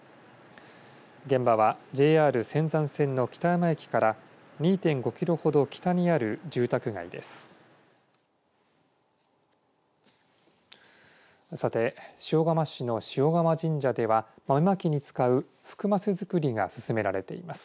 現場はＪＲ仙山線の北山駅から２．５キロほど北にある住宅街です。